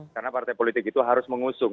karena partai politik itu harus mengusung